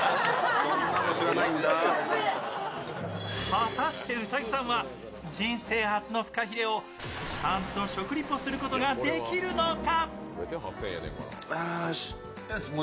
果たして兎さんは人生初のフカヒレをちゃんと食リポすることができるのか。